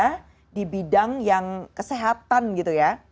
karena di bidang yang kesehatan gitu ya